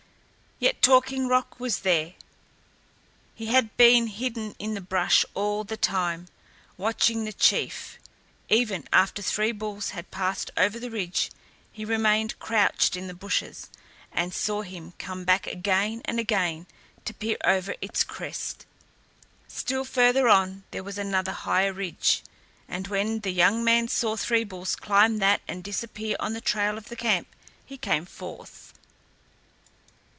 Yet Talking Rock was there. He had been hidden in the brush all the time, watching the chief. Even after Three Bulls had passed over the ridge, he remained crouched in the bushes, and saw him come back again and again to peer over its crest. Still further on there was another higher ridge, and when the young man saw Three Bulls climb that and disappear on the trail of the camp, he came forth.